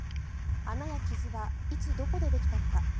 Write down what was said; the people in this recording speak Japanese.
穴や傷はいつ、どこでできたのか。